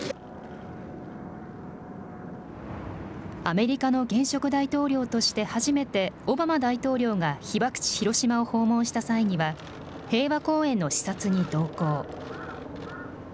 アメリカの現職大統領として初めて、オバマ大統領が被爆地、広島を訪問した際には、平和公園の視察に同行。